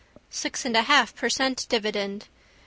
Six and a half per cent dividend.